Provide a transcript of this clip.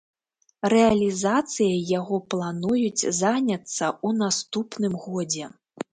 Рэалізацыяй яго плануюць заняцца ў наступным годзе.